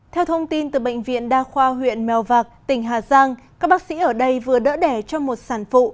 theo thông tin từ bệnh viện đa khoa huyện mèo vạc tỉnh hà giang các bác sĩ ở đây vừa đỡ đẻ cho một sản phụ